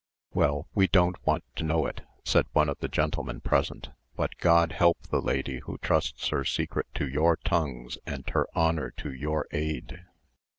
"Well, we don't want to know it," said one of the gentlemen present; "but God help the lady who trusts her secret to your tongues, and her honour to your aid."